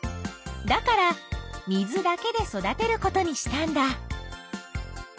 だから水だけで育てることにしたんだ。